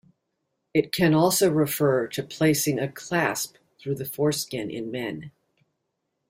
It can also refer to placing a clasp through the foreskin in men.